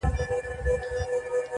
دا ایمل ایمل ایمل پلرونه -